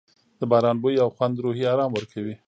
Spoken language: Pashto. د باران بوی او خوند روحي آرام ورکوي.